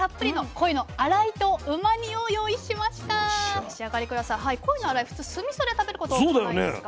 コイの洗い普通酢みそで食べること多くないですか？